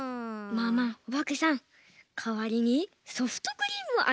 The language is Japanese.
まあまあおばけさんかわりにソフトクリームをあげましょう。